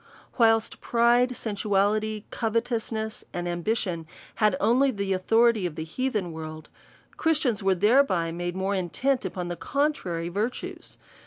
Whilst pride, sensuality, covetousness, and ambi tion, had only the authority of the heathen world. Christians were thereby made more intent upon the contrary virtues.